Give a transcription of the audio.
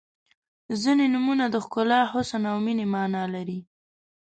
• ځینې نومونه د ښکلا، حسن او مینې معنا لري.